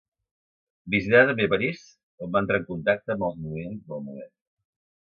Visità també París, on va entrar en contacte amb els moviments del moment.